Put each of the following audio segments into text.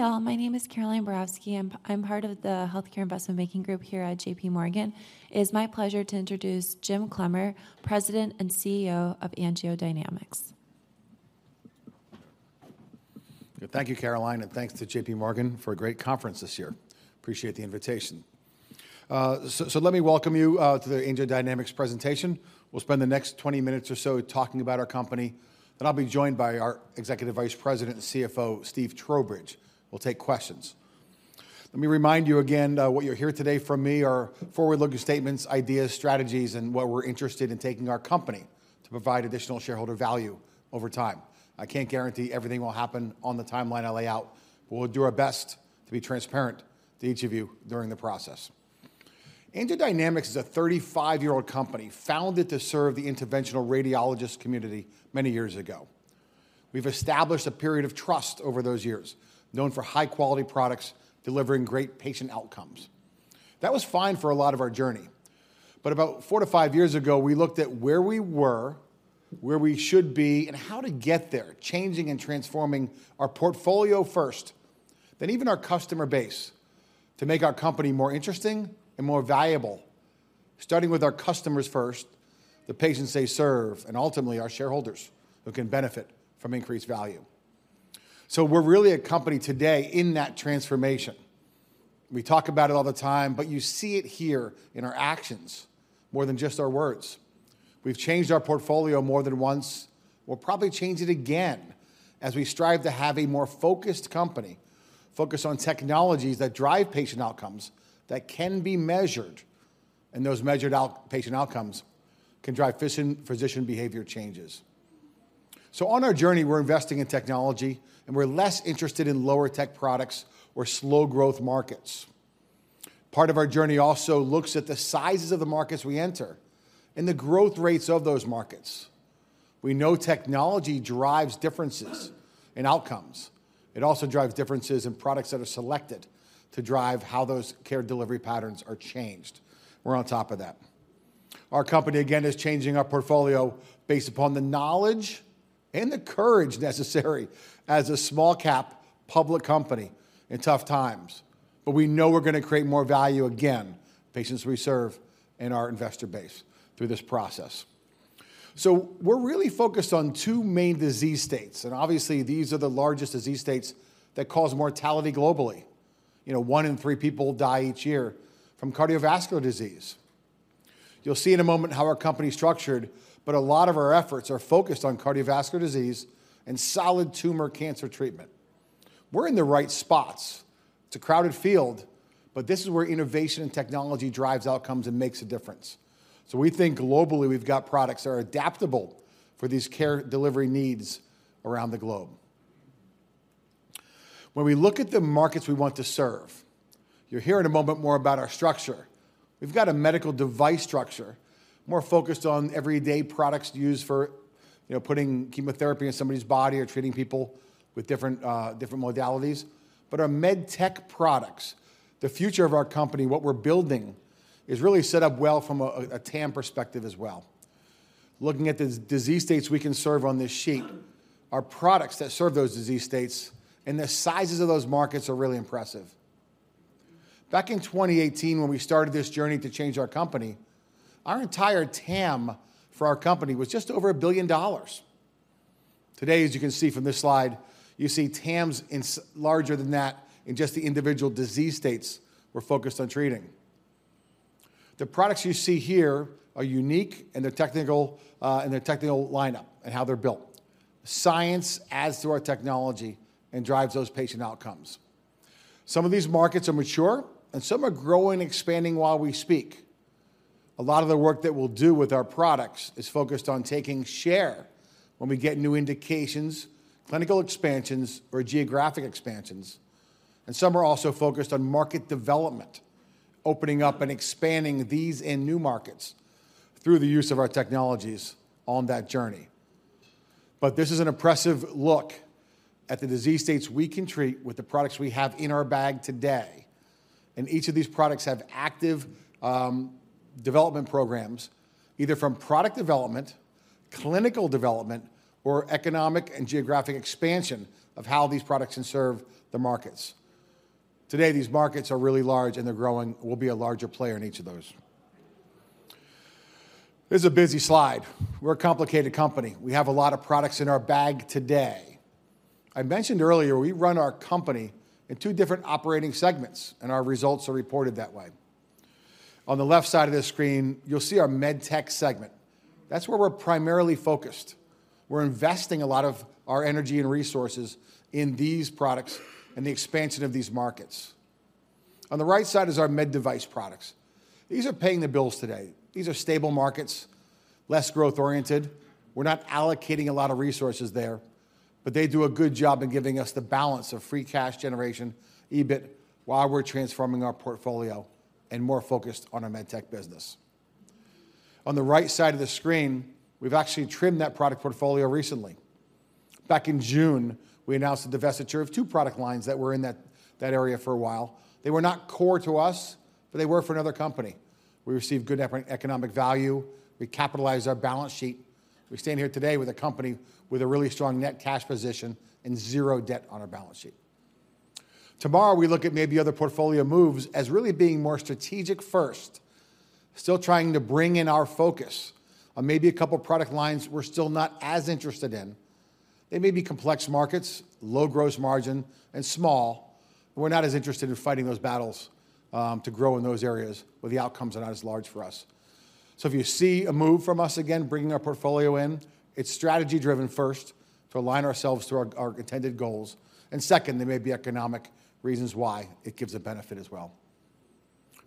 Hi, all. My name is Caroline Borowski, and I'm part of the Healthcare Investment Banking group here at JPMorgan. It is my pleasure to introduce Jim Clemmer, President and CEO of AngioDynamics. Thank you, Caroline, and thanks to JPMorgan for a great conference this year. Appreciate the invitation. So let me welcome you to the AngioDynamics presentation. We'll spend the next 20 minutes or so talking about our company, and I'll be joined by our Executive Vice President and CFO, Steve Trowbridge. We'll take questions. Let me remind you again what you'll hear today from me are forward-looking statements, ideas, strategies, and where we're interested in taking our company to provide additional shareholder value over time. I can't guarantee everything will happen on the timeline I lay out, but we'll do our best to be transparent to each of you during the process. AngioDynamics is a 35-year-old company, founded to serve the interventional radiologist community many years ago. We've established a period of trust over those years, known for high-quality products delivering great patient outcomes. That was fine for a lot of our journey, but about four-five years ago, we looked at where we were, where we should be, and how to get there, changing and transforming our portfolio first, then even our customer base, to make our company more interesting and more valuable, starting with our customers first, the patients they serve, and ultimately our shareholders, who can benefit from increased value. So we're really a company today in that transformation. We talk about it all the time, but you see it here in our actions more than just our words. We've changed our portfolio more than once. We'll probably change it again as we strive to have a more focused company, focused on technologies that drive patient outcomes that can be measured, and those measured outpatient outcomes can drive physician behavior changes. So on our journey, we're investing in technology, and we're less interested in lower-tech products or slow-growth markets. Part of our journey also looks at the sizes of the markets we enter and the growth rates of those markets. We know technology drives differences in outcomes. It also drives differences in products that are selected to drive how those care delivery patterns are changed. We're on top of that. Our company, again, is changing our portfolio based upon the knowledge and the courage necessary as a small-cap public company in tough times, but we know we're gonna create more value, again, patients we serve and our investor base through this process. So we're really focused on two main disease states, and obviously, these are the largest disease states that cause mortality globally. You know, one in three people die each year from cardiovascular disease. You'll see in a moment how our company's structured, but a lot of our efforts are focused on cardiovascular disease and solid tumor cancer treatment. We're in the right spots. It's a crowded field, but this is where innovation and technology drives outcomes and makes a difference. So we think globally, we've got products that are adaptable for these care delivery needs around the globe. When we look at the markets we want to serve... You'll hear in a moment more about our structure. We've got a medical device structure, more focused on everyday products used for, you know, putting chemotherapy in somebody's body or treating people with different, different modalities, but our med tech products, the future of our company, what we're building, is really set up well from a TAM perspective as well. Looking at the disease states we can serve on this sheet, our products that serve those disease states and the sizes of those markets are really impressive. Back in 2018, when we started this journey to change our company, our entire TAM for our company was just over $1 billion. Today, as you can see from this slide, you see TAMs in larger than that in just the individual disease states we're focused on treating. The products you see here are unique in their technical lineup and how they're built. Science adds to our technology and drives those patient outcomes. Some of these markets are mature, and some are growing and expanding while we speak. A lot of the work that we'll do with our products is focused on taking share when we get new indications, clinical expansions, or geographic expansions, and some are also focused on market development, opening up and expanding these in new markets through the use of our technologies on that journey. But this is an impressive look at the disease states we can treat with the products we have in our bag today, and each of these products have active development programs, either from product development, clinical development, or economic and geographic expansion of how these products can serve the markets. Today, these markets are really large, and they're growing. We'll be a larger player in each of those. This is a busy slide. We're a complicated company. We have a lot of products in our bag today. I mentioned earlier, we run our company in two different operating segments, and our results are reported that way. On the left side of this screen, you'll see our Med Tech segment. That's where we're primarily focused. We're investing a lot of our energy and resources in these products and the expansion of these markets. On the right side is our Med Device products. These are paying the bills today. These are stable markets, less growth-oriented. We're not allocating a lot of resources there, but they do a good job in giving us the balance of free cash generation, EBIT, while we're transforming our portfolio and more focused on our Med Tech business. On the right side of the screen, we've actually trimmed that product portfolio recently. Back in June, we announced the divestiture of two product lines that were in that area for a while. They were not core to us, but they were for another company. We received good economic value. We capitalized our balance sheet. We stand here today with a company with a really strong net cash position and zero debt on our balance sheet. Tomorrow, we look at maybe other portfolio moves as really being more strategic first, still trying to bring in our focus on maybe a couple product lines we're still not as interested in. They may be complex markets, low gross margin, and small, but we're not as interested in fighting those battles to grow in those areas where the outcomes are not as large for us. So if you see a move from us, again, bringing our portfolio in, it's strategy-driven first to align ourselves to our intended goals, and second, there may be economic reasons why it gives a benefit as well.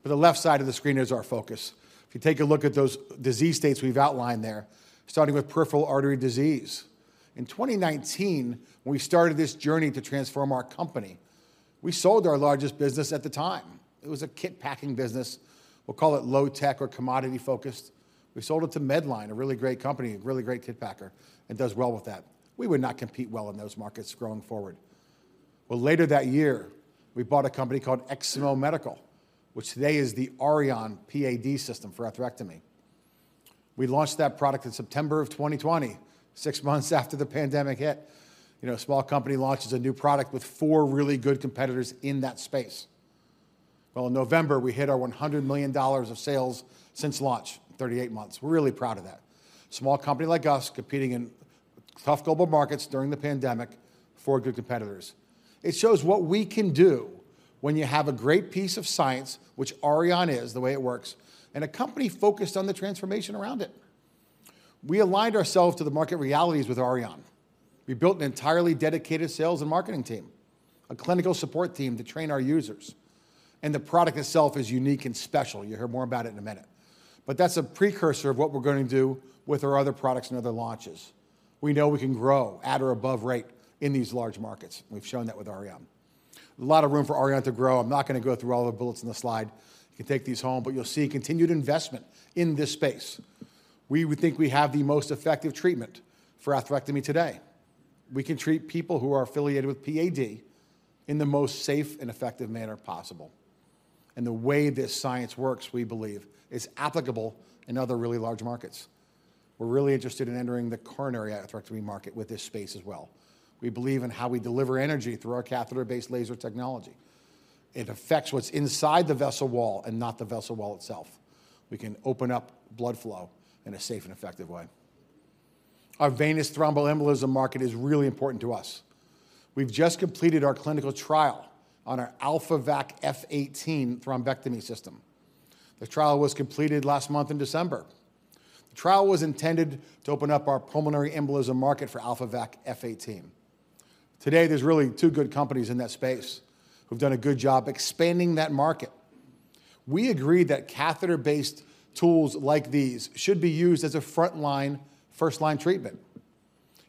But the left side of the screen is our focus. If you take a look at those disease states we've outlined there, starting with peripheral artery disease. In 2019, when we started this journey to transform our company, we sold our largest business at the time. It was a kit packing business. We'll call it low tech or commodity-focused. We sold it to Medline, a really great company, a really great kit packer, and does well with that. We would not compete well in those markets growing forward. Well, later that year, we bought a company called Eximo Medical, which today is the Auryon PAD system for atherectomy. We launched that product in September of 2020, six months after the pandemic hit. You know, a small company launches a new product with four really good competitors in that space. Well, in November, we hit our $100 million of sales since launch, 38 months. We're really proud of that. Small company like us, competing in tough global markets during the pandemic, four good competitors. It shows what we can do when you have a great piece of science, which Auryon is, the way it works, and a company focused on the transformation around it. We aligned ourselves to the market realities with Auryon. We built an entirely dedicated sales and marketing team, a clinical support team to train our users, and the product itself is unique and special. You'll hear more about it in a minute. But that's a precursor of what we're going to do with our other products and other launches. We know we can grow at or above rate in these large markets. We've shown that with Auryon. A lot of room for Auryon to grow. I'm not going to go through all the bullets in the slide. You can take these home, but you'll see continued investment in this space. We would think we have the most effective treatment for atherectomy today. We can treat people who are affiliated with PAD in the most safe and effective manner possible, and the way this science works, we believe, is applicable in other really large markets. We're really interested in entering the coronary atherectomy market with this space as well. We believe in how we deliver energy through our catheter-based laser technology. It affects what's inside the vessel wall and not the vessel wall itself. We can open up blood flow in a safe and effective way. Our venous thromboembolism market is really important to us. We've just completed our clinical trial on our AlphaVac F1885 thrombectomy system. The trial was completed last month in December. The trial was intended to open up our pulmonary embolism market for AlphaVac F1885. Today, there's really two good companies in that space who've done a good job expanding that market. We agreed that catheter-based tools like these should be used as a frontline, first-line treatment.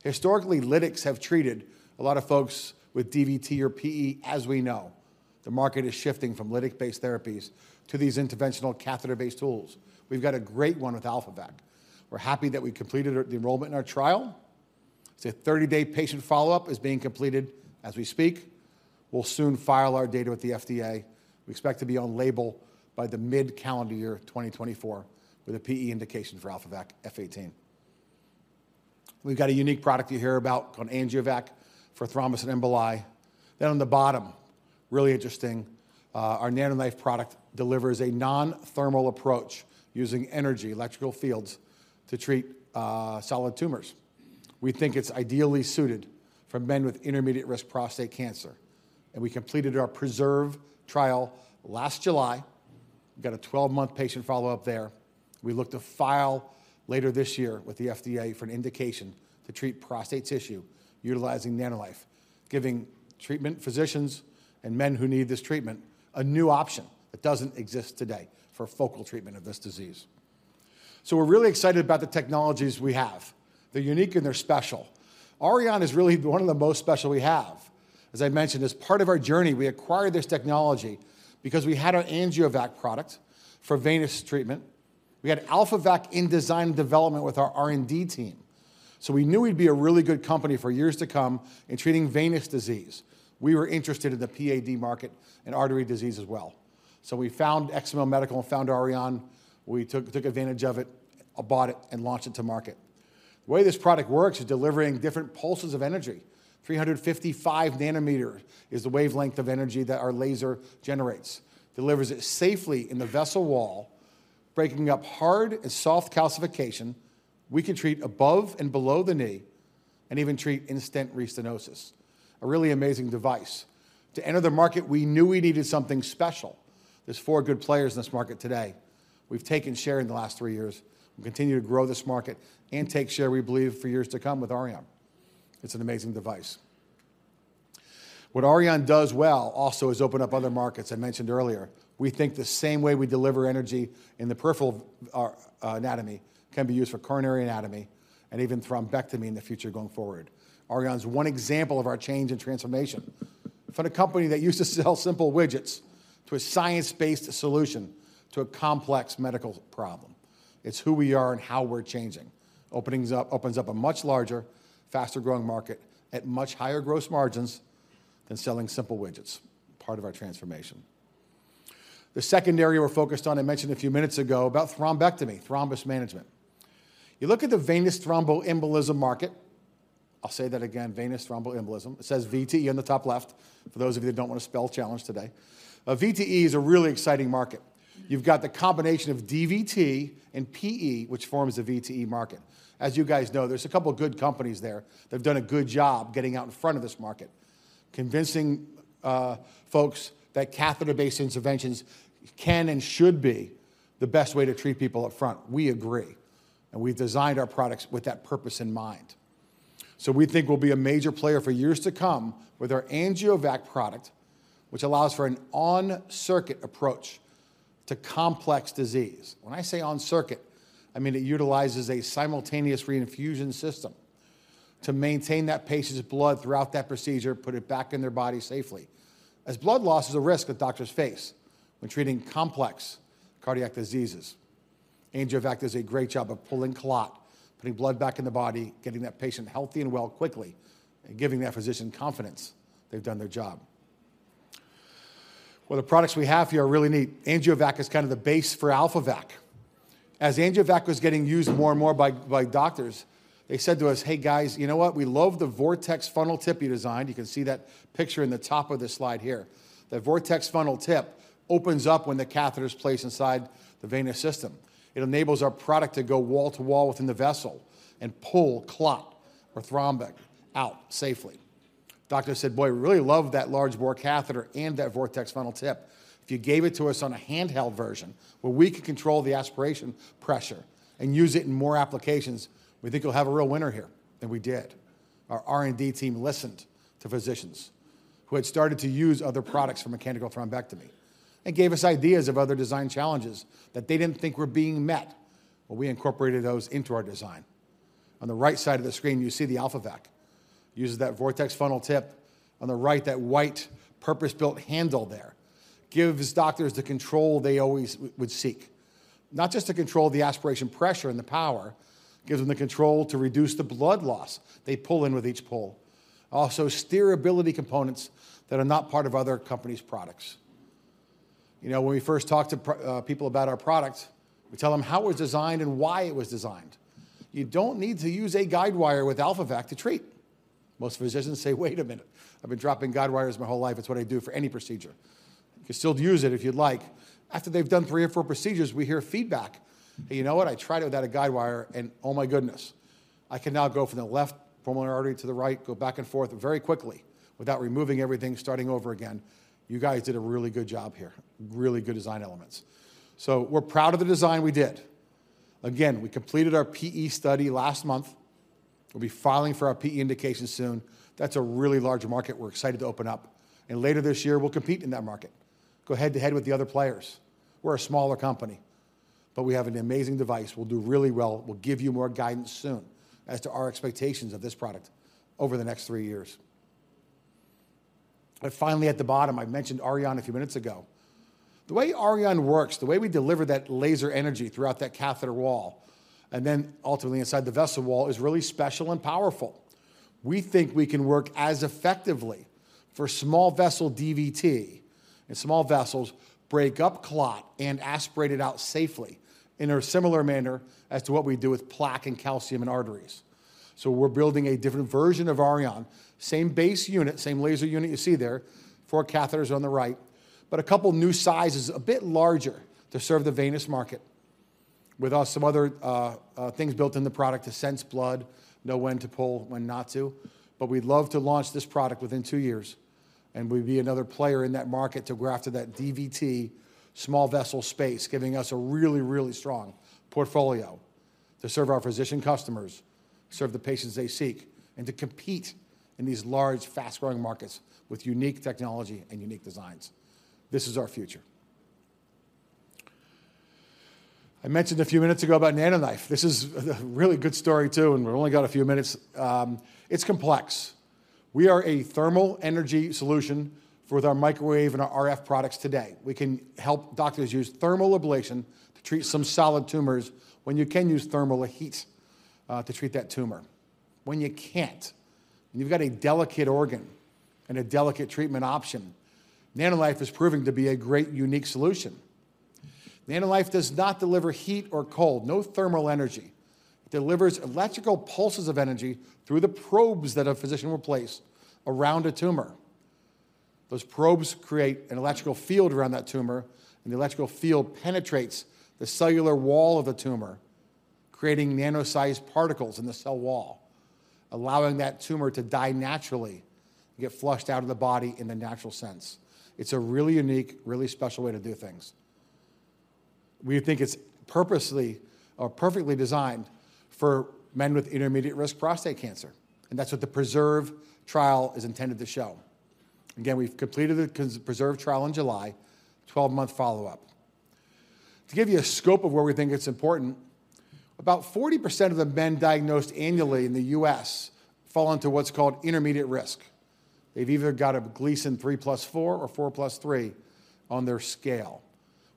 Historically, lytics have treated a lot of folks with DVT or PE, as we know. The market is shifting from lytic-based therapies to these interventional catheter-based tools. We've got a great one with AlphaVac. We're happy that we completed our enrollment in our trial. It's a 30-day patient follow-up is being completed as we speak. We'll soon file our data with the FDA. We expect to be on label by the mid-calendar year of 2024 with a PE indication for AlphaVac F1885. We've got a unique product you hear about called AngioVac for thrombus and emboli. Then on the bottom, really interesting, our NanoKnife product delivers a non-thermal approach using energy, electrical fields, to treat solid tumors. We think it's ideally suited for men with intermediate risk prostate cancer, and we completed our PRESERVE trial last July. We got a 12-month patient follow-up there. We look to file later this year with the FDA for an indication to treat prostate tissue utilizing NanoKnife, giving treatment physicians and men who need this treatment a new option that doesn't exist today for focal treatment of this disease. So we're really excited about the technologies we have. They're unique and they're special. Auryon is really one of the most special we have. As I mentioned, as part of our journey, we acquired this technology because we had our AngioVac product for venous treatment. We had AlphaVac in design and development with our R&D team, so we knew we'd be a really good company for years to come in treating venous disease. We were interested in the PAD market and artery disease as well. So we found Eximo Medical and found Auryon. We took advantage of it, bought it, and launched it to market. The way this product works is delivering different pulses of energy. 355 nanometer is the wavelength of energy that our laser generates, delivers it safely in the vessel wall, breaking up hard and soft calcification. We can treat above and below the knee and even treat in-stent restenosis, a really amazing device. To enter the market, we knew we needed something special. There's four good players in this market today. We've taken share in the last three years. We continue to grow this market and take share, we believe, for years to come with Auryon. It's an amazing device. What Auryon does well also is open up other markets I mentioned earlier. We think the same way we deliver energy in the peripheral, anatomy can be used for coronary anatomy and even thrombectomy in the future going forward. Auryon is one example of our change and transformation. From a company that used to sell simple widgets to a science-based solution to a complex medical problem. It's who we are and how we're changing. Opens up a much larger, faster-growing market at much higher gross margins than selling simple widgets, part of our transformation.... The second area we're focused on, I mentioned a few minutes ago, about thrombectomy, thrombus management. You look at the venous thromboembolism market, I'll say that again, venous thromboembolism. It says VTE in the top left, for those of you that don't want a spell challenge today. VTE is a really exciting market. You've got the combination of DVT and PE, which forms the VTE market. As you guys know, there's a couple of good companies there that have done a good job getting out in front of this market, convincing folks that catheter-based interventions can and should be the best way to treat people up front. We agree, and we've designed our products with that purpose in mind. So we think we'll be a major player for years to come with our AngioVac product, which allows for an on-circuit approach to complex disease. When I say on-circuit, I mean it utilizes a simultaneous reinfusion system to maintain that patient's blood throughout that procedure, put it back in their body safely, as blood loss is a risk that doctors face when treating complex cardiac diseases. AngioVac does a great job of pulling clot, putting blood back in the body, getting that patient healthy and well quickly, and giving that physician confidence they've done their job. Well, the products we have here are really neat. AngioVac is kind of the base for AlphaVac. As AngioVac was getting used more and more by doctors, they said to us, "Hey, guys, you know what? We love the vortex funnel tip you designed." You can see that picture in the top of the slide here. The vortex funnel tip opens up when the catheter is placed inside the venous system. It enables our product to go wall to wall within the vessel and pull clot or thrombotic out safely. Doctors said, "Boy, we really love that large bore catheter and that vortex funnel tip. If you gave it to us on a handheld version, where we could control the aspiration pressure and use it in more applications, we think you'll have a real winner here," and we did. Our R&D team listened to physicians who had started to use other products for mechanical thrombectomy and gave us ideas of other design challenges that they didn't think were being met. Well, we incorporated those into our design. On the right side of the screen, you see the AlphaVac. Uses that vortex funnel tip. On the right, that white purpose-built handle there gives doctors the control they always would seek, not just to control the aspiration pressure and the power, it gives them the control to reduce the blood loss they pull in with each pull. Also, steerability components that are not part of other companies' products. You know, when we first talk to people about our product, we tell them how it was designed and why it was designed. You don't need to use a guidewire with AlphaVac to treat. Most physicians say, "Wait a minute, I've been dropping guidewires my whole life. It's what I do for any procedure." You can still use it if you'd like. After they've done three or four procedures, we hear feedback. "Hey, you know what? I tried it without a guidewire, and oh, my goodness, I can now go from the left pulmonary artery to the right, go back and forth very quickly without removing everything, starting over again. "You guys did a really good job here, really good design elements." So we're proud of the design we did. Again, we completed our PE study last month. We'll be filing for our PE indication soon. That's a really large market we're excited to open up, and later this year, we'll compete in that market, go head-to-head with the other players. We're a smaller company, but we have an amazing device. We'll do really well. We'll give you more guidance soon as to our expectations of this product over the next three years. And finally, at the bottom, I mentioned Auryon a few minutes ago. The way Auryon works, the way we deliver that laser energy throughout that catheter wall and then ultimately inside the vessel wall, is really special and powerful. We think we can work as effectively for small vessel DVT, and small vessels break up clot and aspirate it out safely in a similar manner as to what we do with plaque and calcium in arteries. So we're building a different version of Auryon, same base unit, same laser unit you see there, four catheters on the right, but a couple new sizes, a bit larger, to serve the venous market, with some other things built in the product to sense blood, know when to pull, when not to. But we'd love to launch this product within two years, and we'd be another player in that market to go after that DVT small vessel space, giving us a really, really strong portfolio to serve our physician customers, serve the patients they seek, and to compete in these large, fast-growing markets with unique technology and unique designs. This is our future. I mentioned a few minutes ago about NanoKnife. This is a really good story, too, and we've only got a few minutes. It's complex. We are a thermal energy solution with our microwave and our RF products today. We can help doctors use thermal ablation to treat some solid tumors when you can use thermal or heat, to treat that tumor. When you can't, when you've got a delicate organ and a delicate treatment option, NanoKnife is proving to be a great unique solution. NanoKnife does not deliver heat or cold, no thermal energy. It delivers electrical pulses of energy through the probes that a physician will place around a tumor. Those probes create an electrical field around that tumor, and the electrical field penetrates the cellular wall of the tumor, creating nano-sized particles in the cell wall, allowing that tumor to die naturally and get flushed out of the body in the natural sense. It's a really unique, really special way to do things. We think it's purposely or perfectly designed for men with intermediate-risk prostate cancer, and that's what the PRESERVE Trial is intended to show. Again, we've completed the PRESERVE Trial in July, 12-month follow-up. To give you a scope of where we think it's important, about 40% of the men diagnosed annually in the U.S. fall into what's called intermediate risk. They've either got a Gleason 3+4 or 4+3 on their scale.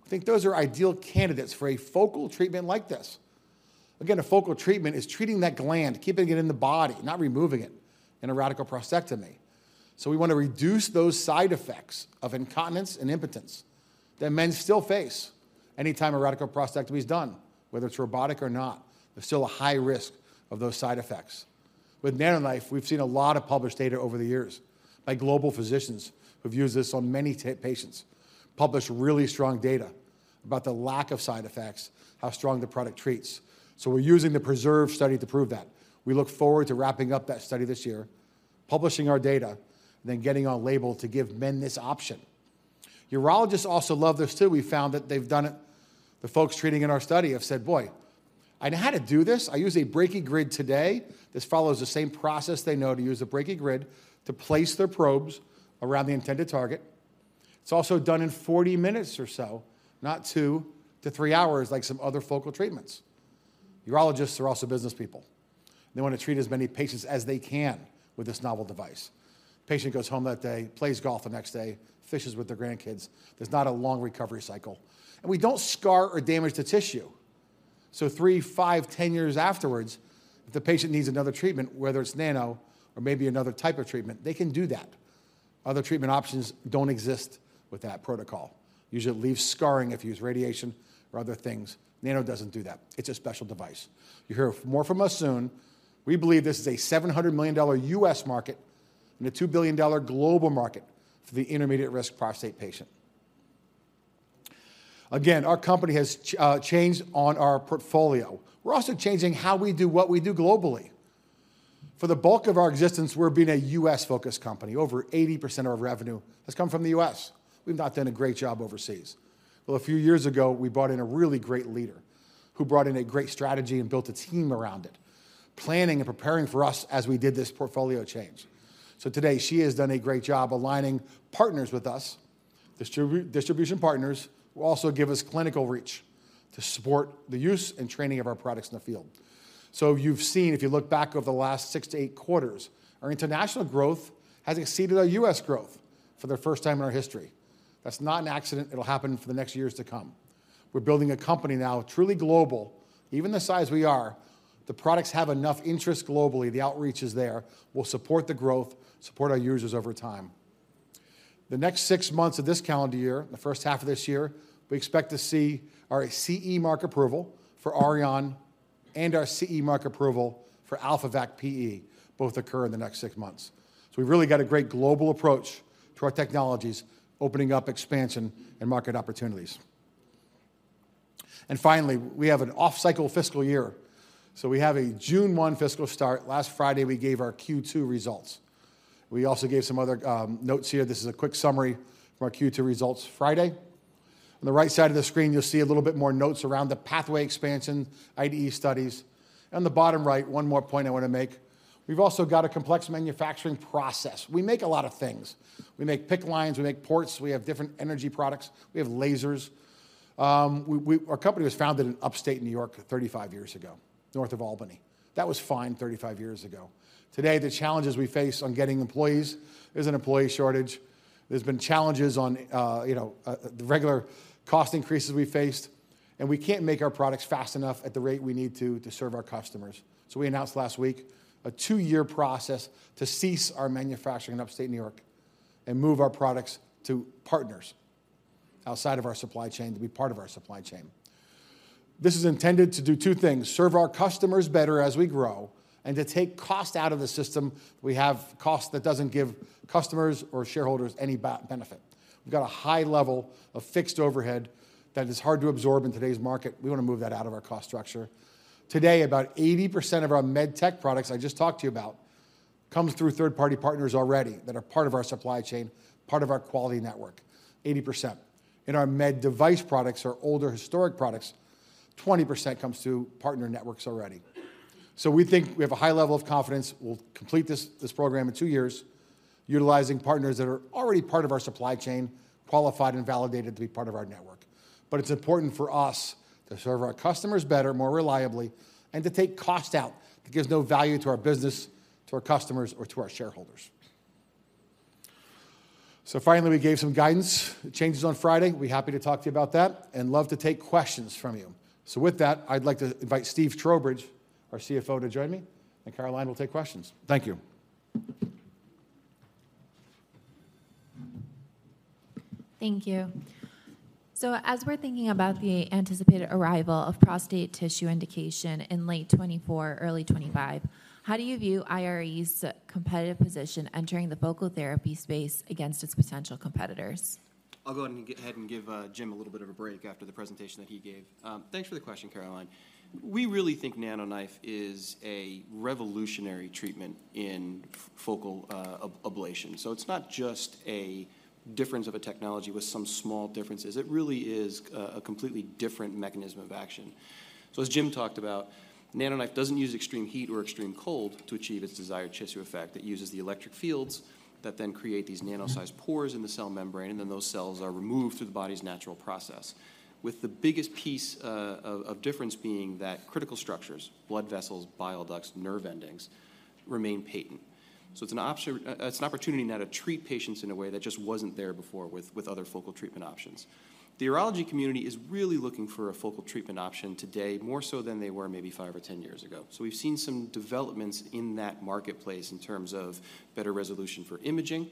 I think those are ideal candidates for a focal treatment like this. Again, a focal treatment is treating that gland, keeping it in the body, not removing it in a radical prostatectomy. So we want to reduce those side effects of incontinence and impotence that men still face anytime a radical prostatectomy is done. Whether it's robotic or not, there's still a high risk of those side effects. With NanoKnife, we've seen a lot of published data over the years by global physicians who've used this on many patients, published really strong data about the lack of side effects, how strong the product treats. So we're using the PRESERVE study to prove that. We look forward to wrapping up that study this year, publishing our data, and then getting on label to give men this option. Urologists also love this, too. We've found that they've done it. The folks treating in our study have said, "Boy, I know how to do this. I use a BrachyGrid today." This follows the same process they know to use a BrachyGrid to place their probes around the intended target. It's also done in 40 minutes or so, not two-three hours like some other focal treatments. Urologists are also business people. They want to treat as many patients as they can with this novel device. Patient goes home that day, plays golf the next day, fishes with their grandkids. There's not a long recovery cycle. We don't scar or damage the tissue, so three, five, 10 years afterwards, if the patient needs another treatment, whether it's nano or maybe another type of treatment, they can do that. Other treatment options don't exist with that protocol. Usually, it leaves scarring if you use radiation or other things. Nano doesn't do that. It's a special device. You'll hear more from us soon. We believe this is a $700 million US market and a $2 billion global market for the intermediate-risk prostate patient. Again, our company has changed on our portfolio. We're also changing how we do what we do globally. For the bulk of our existence, we've been a US-focused company. Over 80% of our revenue has come from the US. We've not done a great job overseas. Well, a few years ago, we brought in a really great leader who brought in a great strategy and built a team around it, planning and preparing for us as we did this portfolio change. So today, she has done a great job aligning partners with us. Distribution partners will also give us clinical reach to support the use and training of our products in the field. So you've seen, if you look back over the last six-eight quarters, our international growth has exceeded our U.S. growth for the first time in our history. That's not an accident. It'll happen for the next years to come. We're building a company now, truly global. Even the size we are, the products have enough interest globally. The outreach is there. We'll support the growth, support our users over time. The next six months of this calendar year, the first half of this year, we expect to see our CE Mark approval for Auryon and our CE Mark approval for AlphaVac-PE both occur in the next six months. So we've really got a great global approach to our technologies, opening up expansion and market opportunities. Finally, we have an off-cycle fiscal year, so we have a June 1 fiscal start. Last Friday, we gave our Q2 results. We also gave some other notes here. This is a quick summary from our Q2 results Friday. On the right side of the screen, you'll see a little bit more notes around the pathway expansion, IDE studies. On the bottom right, one more point I want to make: We've also got a complex manufacturing process. We make a lot of things. We make PICC lines, we make ports, we have different energy products, we have lasers. Our company was founded in Upstate New York 35 years ago, north of Albany. That was fine 35 years ago. Today, the challenges we face on getting employees, there's an employee shortage. There's been challenges on, you know, the regular cost increases we faced, and we can't make our products fast enough at the rate we need to, to serve our customers. So we announced last week a two-year process to cease our manufacturing in Upstate New York and move our products to partners outside of our supply chain to be part of our supply chain. This is intended to do two things: serve our customers better as we grow, and to take cost out of the system. We have cost that doesn't give customers or shareholders any benefit. We've got a high level of fixed overhead that is hard to absorb in today's market. We want to move that out of our cost structure. Today, about 80% of our Med Tech products I just talked to you about, comes through third-party partners already that are part of our supply chain, part of our quality network, 80%. In our Med Device products or older historic products, 20% comes through partner networks already. So we think we have a high level of confidence we'll complete this program in two years, utilizing partners that are already part of our supply chain, qualified and validated to be part of our network. But it's important for us to serve our customers better, more reliably, and to take cost out that gives no value to our business, to our customers, or to our shareholders. So finally, we gave some guidance, changes on Friday. We'll be happy to talk to you about that and love to take questions from you. So with that, I'd like to invite Steve Trowbridge, our CFO, to join me, and Caroline will take questions. Thank you. Thank you. So as we're thinking about the anticipated arrival of prostate tissue indication in late 2024, early 2025, how do you view IRE's competitive position entering the focal therapy space against its potential competitors? I'll go ahead and give Jim a little bit of a break after the presentation that he gave. Thanks for the question, Caroline. We really think NanoKnife is a revolutionary treatment in focal ablation. So it's not just a difference of a technology with some small differences. It really is a completely different mechanism of action. So as Jim talked about, NanoKnife doesn't use extreme heat or extreme cold to achieve its desired tissue effect. It uses the electric fields that then create these nano-sized pores in the cell membrane, and then those cells are removed through the body's natural process. With the biggest piece of difference being that critical structures, blood vessels, bile ducts, nerve endings, remain patent. ... So it's an option, it's an opportunity now to treat patients in a way that just wasn't there before with other focal treatment options. The urology community is really looking for a focal treatment option today, more so than they were maybe five or 10 years ago. So we've seen some developments in that marketplace in terms of better resolution for imaging,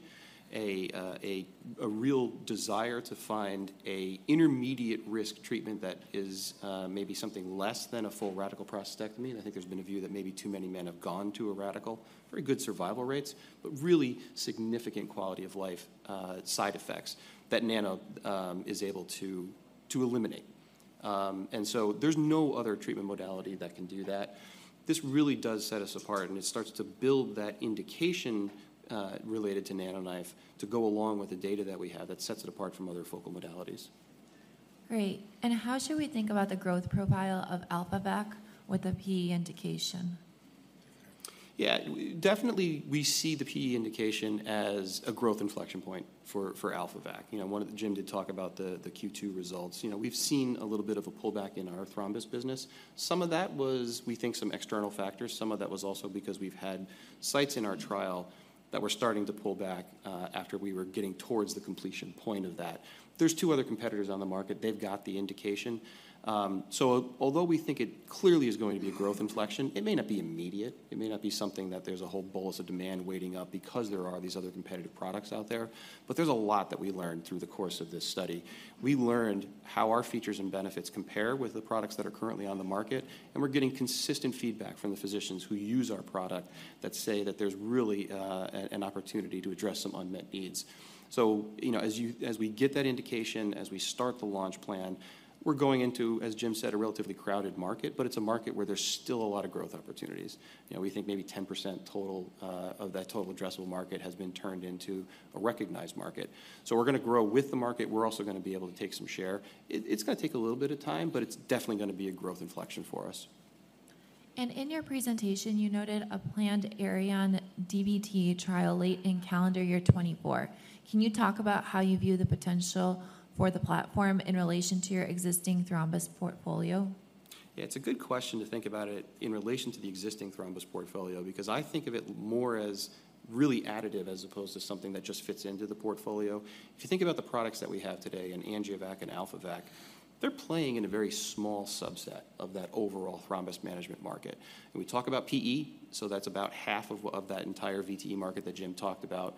a real desire to find an intermediate-risk treatment that is maybe something less than a full radical prostatectomy. I think there's been a view that maybe too many men have gone to a radical. Very good survival rates, but really significant quality of life side effects that Nano is able to eliminate. So there's no other treatment modality that can do that. This really does set us apart, and it starts to build that indication, related to NanoKnife, to go along with the data that we have that sets it apart from other focal modalities. Great. And how should we think about the growth profile of AlphaVac with the PE indication? Yeah, definitely, we see the PE indication as a growth inflection point for AlphaVac. You know, one of the-- Jim did talk about the Q2 results. You know, we've seen a little bit of a pullback in our thrombus business. Some of that was, we think, some external factors. Some of that was also because we've had sites in our trial that were starting to pull back after we were getting towards the completion point of that. There's two other competitors on the market. They've got the indication. So although we think it clearly is going to be a growth inflection, it may not be immediate. It may not be something that there's a whole bolus of demand waiting up because there are these other competitive products out there. But there's a lot that we learned through the course of this study. We learned how our features and benefits compare with the products that are currently on the market, and we're getting consistent feedback from the physicians who use our product that say that there's really an opportunity to address some unmet needs. So, you know, as you—as we get that indication, as we start the launch plan, we're going into, as Jim said, a relatively crowded market, but it's a market where there's still a lot of growth opportunities. You know, we think maybe 10% total of that total addressable market has been turned into a recognized market. So we're gonna grow with the market. We're also gonna be able to take some share. It, it's gonna take a little bit of time, but it's definitely gonna be a growth inflection for us. In your presentation, you noted a planned Auryon DVT trial late in calendar year 2024. Can you talk about how you view the potential for the platform in relation to your existing thrombus portfolio? Yeah, it's a good question to think about it in relation to the existing thrombus portfolio, because I think of it more as really additive, as opposed to something that just fits into the portfolio. If you think about the products that we have today, in AngioVac and AlphaVac, they're playing in a very small subset of that overall thrombus management market. And we talk about PE, so that's about half of that entire VTE market that Jim talked about.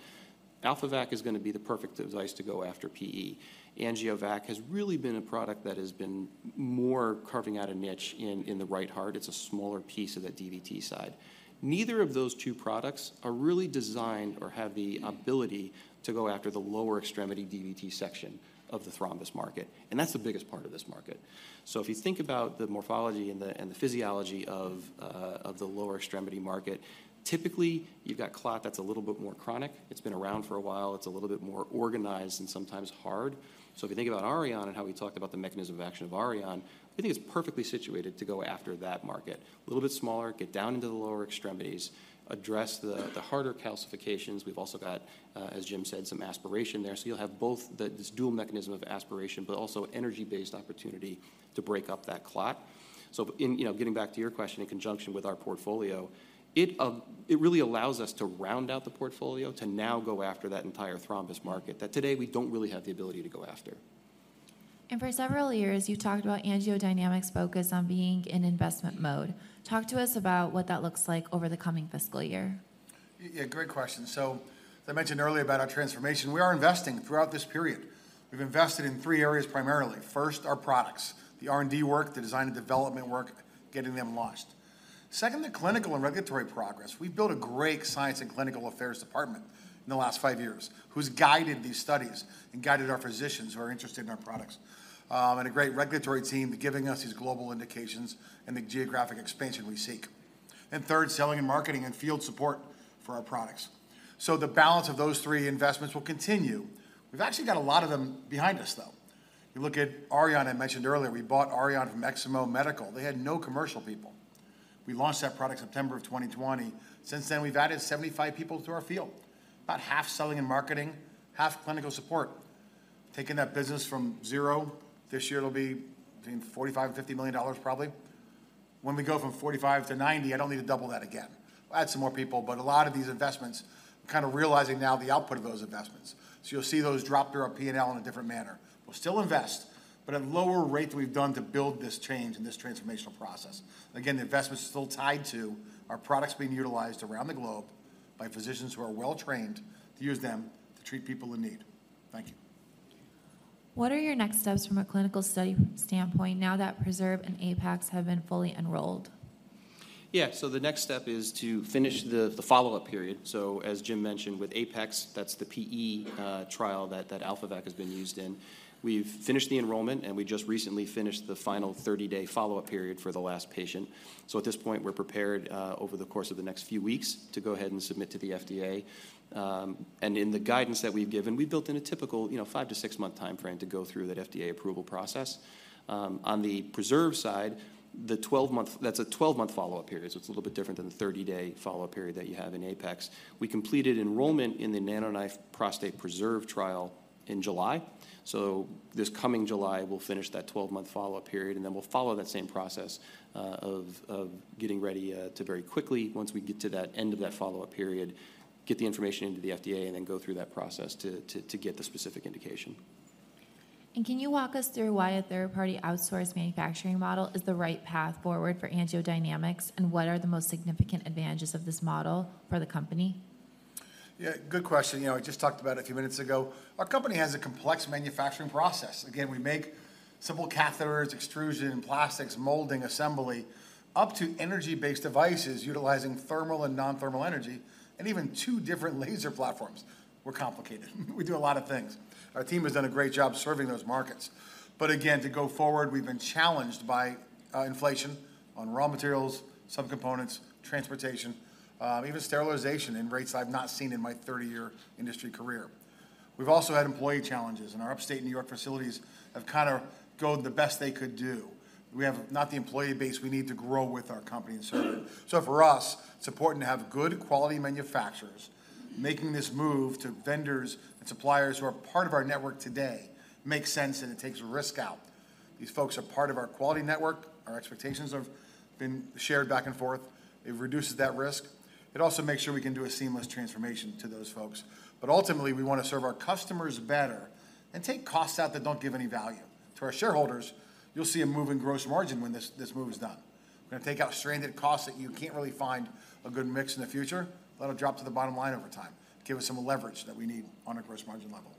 AlphaVac is gonna be the perfect device to go after PE. AngioVac has really been a product that has been more carving out a niche in, in the right heart. It's a smaller piece of that DVT side. Neither of those two products are really designed or have the ability to go after the lower extremity DVT section of the thrombus market, and that's the biggest part of this market. So if you think about the morphology and the, and the physiology of the lower extremity market, typically, you've got clot that's a little bit more chronic. It's been around for a while. It's a little bit more organized and sometimes hard. So if you think about Auryon and how we talked about the mechanism of action of Auryon, I think it's perfectly situated to go after that market. A little bit smaller, get down into the lower extremities, address the, the harder calcifications. We've also got, as Jim said, some aspiration there. So you'll have both the, this dual mechanism of aspiration, but also energy-based opportunity to break up that clot. So, you know, getting back to your question, in conjunction with our portfolio, it really allows us to round out the portfolio to now go after that entire thrombus market that today we don't really have the ability to go after. For several years, you've talked about AngioDynamics' focus on being in investment mode. Talk to us about what that looks like over the coming fiscal year. Yeah, great question. So as I mentioned earlier about our transformation, we are investing throughout this period. We've invested in three areas, primarily. First, our products, the R&D work, the design and development work, getting them launched. Second, the clinical and regulatory progress. We've built a great science and clinical affairs department in the last five years, who's guided these studies and guided our physicians who are interested in our products. And a great regulatory team to giving us these global indications and the geographic expansion we seek. And third, selling and marketing and field support for our products. So the balance of those three investments will continue. We've actually got a lot of them behind us, though. You look at Auryon, I mentioned earlier, we bought Auryon from Eximo Medical. They had no commercial people. We launched that product September of 2020. Since then, we've added 75 people to our field, about half selling and marketing, half clinical support. Taking that business from zero, this year, it'll be between $45 million and $50 million, probably. When we go from 45 to 90, I'd only to double that again. We'll add some more people, but a lot of these investments, kind of realizing now the output of those investments. So you'll see those drop through our P&L in a different manner. We'll still invest, but at a lower rate than we've done to build this change and this transformational process. Again, the investment is still tied to our products being utilized around the globe by physicians who are well-trained to use them to treat people in need. Thank you. What are your next steps from a clinical study standpoint now that PRESERVE and APEX have been fully enrolled? Yeah. So the next step is to finish the follow-up period. So as Jim mentioned, with APEX, that's the PE trial that AlphaVac has been used in. We've finished the enrollment, and we just recently finished the final 30-day follow-up period for the last patient. So at this point, we're prepared over the course of the next few weeks to go ahead and submit to the FDA. And in the guidance that we've given, we've built in a typical, you know, five-six-month timeframe to go through that FDA approval process. On the PRESERVE side, the 12-month follow-up period, that's a 12-month follow-up period, so it's a little bit different than the 30-day follow-up period that you have in APEX. We completed enrollment in the NanoKnife prostate PRESERVE trial in July. So this coming July, we'll finish that 12-month follow-up period, and then we'll follow that same process of getting ready to very quickly, once we get to that end of that follow-up period, get the information into the FDA and then go through that process to get the specific indication.... Can you walk us through why a third-party outsourced manufacturing model is the right path forward for AngioDynamics, and what are the most significant advantages of this model for the company? Yeah, good question. You know, I just talked about it a few minutes ago. Our company has a complex manufacturing process. Again, we make simple catheters, extrusion, plastics, molding, assembly, up to energy-based devices utilizing thermal and non-thermal energy, and even two different laser platforms. We're complicated. We do a lot of things. Our team has done a great job serving those markets. But again, to go forward, we've been challenged by inflation on raw materials, some components, transportation, even sterilization rates I've not seen in my 30-year industry career. We've also had employee challenges, and our Upstate New York facilities have kinda done the best they could do. We have not the employee base we need to grow with our company and serve it. So for us, it's important to have good quality manufacturers. Making this move to vendors and suppliers who are part of our network today makes sense, and it takes risk out. These folks are part of our quality network. Our expectations have been shared back and forth. It reduces that risk. It also makes sure we can do a seamless transformation to those folks. But ultimately, we wanna serve our customers better and take costs out that don't give any value. To our shareholders, you'll see a move in gross margin when this, this move is done. We're gonna take out stranded costs that you can't really find a good mix in the future. Let it drop to the bottom line over time, give us some leverage that we need on a gross margin level.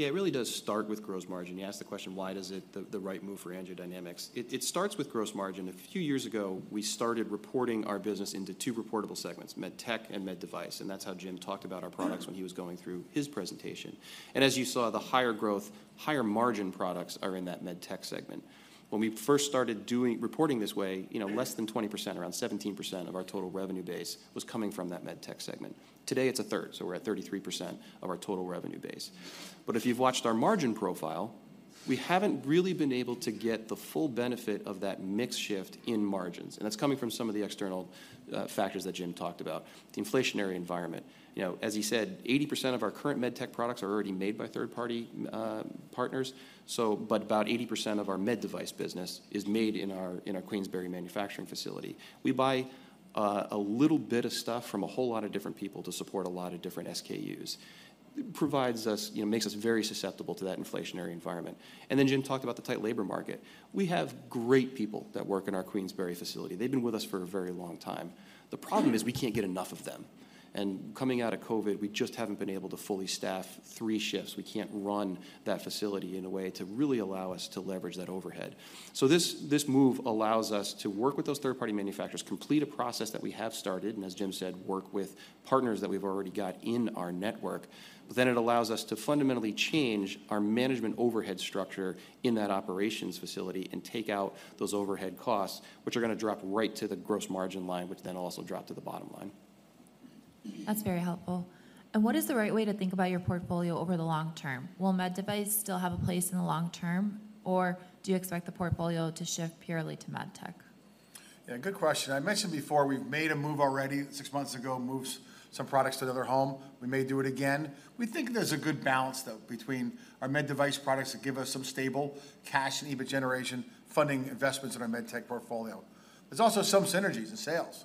Yeah, it really does start with gross margin. You asked the question, why is it the right move for AngioDynamics? It starts with gross margin. A few years ago, we started reporting our business into two reportable segments, MedTech and MedDevice, and that's how Jim talked about our products when he was going through his presentation. And as you saw, the higher growth, higher margin products are in that MedTech segment. When we first started reporting this way, you know, less than 20%, around 17% of our total revenue base was coming from that MedTech segment. Today, it's a third, so we're at 33% of our total revenue base. But if you've watched our margin profile, we haven't really been able to get the full benefit of that mix shift in margins, and that's coming from some of the external factors that Jim talked about, the inflationary environment. You know, as he said, 80% of our current MedTech products are already made by third-party partners, so but about 80% of our MedDevice business is made in our, in our Queensbury manufacturing facility. We buy a little bit of stuff from a whole lot of different people to support a lot of different SKUs. It provides us. You know, makes us very susceptible to that inflationary environment. And then Jim talked about the tight labor market. We have great people that work in our Queensbury facility. They've been with us for a very long time. The problem is we can't get enough of them, and coming out of COVID, we just haven't been able to fully staff three shifts. We can't run that facility in a way to really allow us to leverage that overhead. So this, this move allows us to work with those third-party manufacturers, complete a process that we have started, and as Jim said, work with partners that we've already got in our network. But then it allows us to fundamentally change our management overhead structure in that operations facility and take out those overhead costs, which are gonna drop right to the gross margin line, which then also drop to the bottom line. That's very helpful. What is the right way to think about your portfolio over the long term? Will MedDevice still have a place in the long term, or do you expect the portfolio to shift purely to MedTech? Yeah, good question. I mentioned before, we've made a move already six months ago, moved some products to another home. We may do it again. We think there's a good balance, though, between our MedDevice products that give us some stable cash and EBIT generation, funding investments in our MedTech portfolio. There's also some synergies in sales.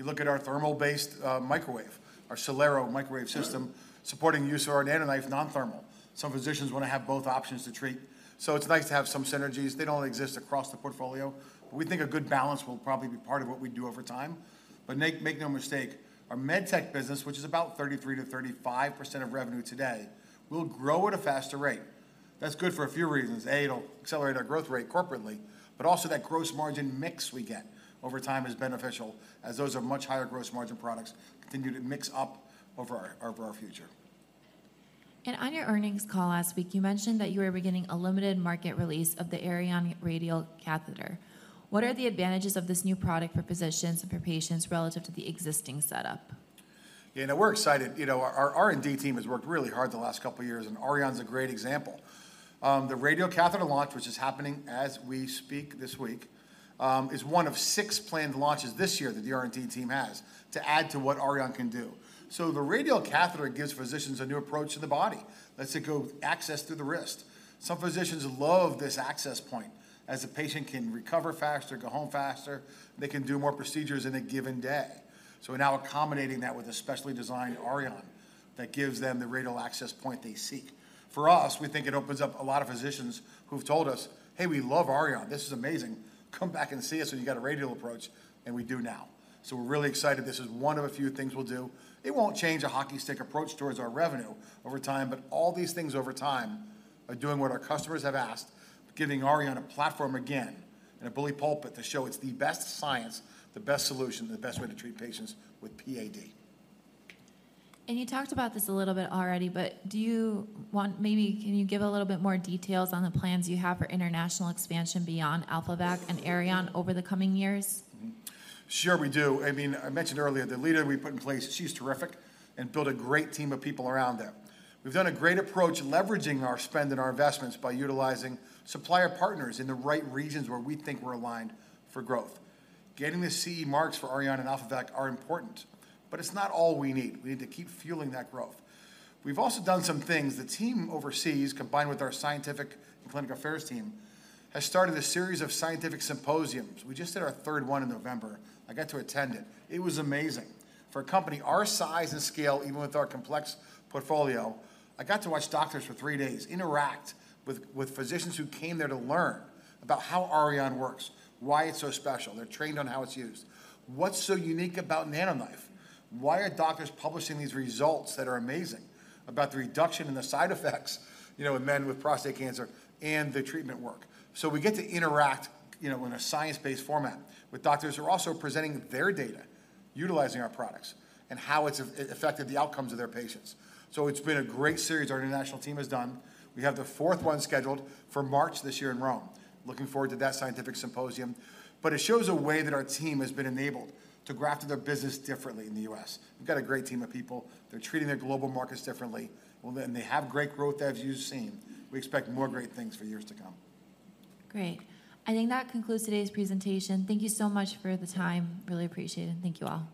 You look at our thermal-based, microwave, our Solero microwave system, supporting the use of our NanoKnife non-thermal. Some physicians wanna have both options to treat, so it's nice to have some synergies. They don't exist across the portfolio, but we think a good balance will probably be part of what we do over time. But make, make no mistake, our MedTech business, which is about 33%-35% of revenue today, will grow at a faster rate. That's good for a few reasons. It'll accelerate our growth rate corporately, but also that gross margin mix we get over time is beneficial, as those are much higher gross margin products continue to mix up over our future. On your earnings call last week, you mentioned that you were beginning a limited market release of the Auryon radial catheter. What are the advantages of this new product for physicians and for patients relative to the existing setup? Yeah, now we're excited. You know, our R&D team has worked really hard the last couple of years, and Auryon's a great example. The radial catheter launch, which is happening as we speak this week, is one of six planned launches this year that the R&D team has to add to what Auryon can do. So the radial catheter gives physicians a new approach to the body. Lets it go access through the wrist. Some physicians love this access point, as the patient can recover faster, go home faster. They can do more procedures in a given day. So we're now accommodating that with a specially designed Auryon that gives them the radial access point they seek. For us, we think it opens up a lot of physicians who've told us, "Hey, we love Auryon. This is amazing. Come back and see us when you've got a radial approach," and we do now. So we're really excited. This is one of a few things we'll do. It won't change a hockey stick approach towards our revenue over time, but all these things over time are doing what our customers have asked, giving Auryon a platform again and a bully pulpit to show it's the best science, the best solution, the best way to treat patients with PAD. You talked about this a little bit already, but do you want... Maybe can you give a little bit more details on the plans you have for international expansion beyond AlphaVac and Auryon over the coming years? Mm-hmm. Sure, we do. I mean, I mentioned earlier, the leader we put in place, she's terrific and built a great team of people around them. We've done a great approach leveraging our spend and our investments by utilizing supplier partners in the right regions where we think we're aligned for growth. Getting the CE Mark for Auryon and AlphaVac are important, but it's not all we need. We need to keep fueling that growth. We've also done some things. The team overseas, combined with our scientific and clinical affairs team, has started a series of scientific symposiums. We just did our third one in November. I got to attend it. It was amazing. For a company our size and scale, even with our complex portfolio, I got to watch doctors for three days interact with physicians who came there to learn about how Auryon works, why it's so special. They're trained on how it's used. What's so unique about NanoKnife? Why are doctors publishing these results that are amazing about the reduction in the side effects, you know, in men with prostate cancer and the treatment work? So we get to interact, you know, in a science-based format with doctors who are also presenting their data, utilizing our products, and how it's affected the outcomes of their patients. So it's been a great series our international team has done. We have the fourth one scheduled for March this year in Rome. Looking forward to that scientific symposium. But it shows a way that our team has been enabled to graft their business differently in the U.S. We've got a great team of people. They're treating their global markets differently. Well, then, they have great growth, as you've seen. We expect more great things for years to come. Great. I think that concludes today's presentation. Thank you so much for the time. Really appreciate it, and thank you all.